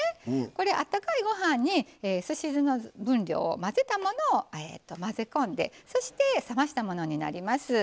あったかいご飯にすし酢の分量を入れて混ぜ込んで、そして冷ましたものになります。